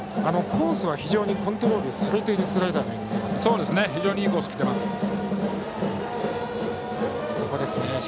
コースは非常にコントロールされているスライダーのような。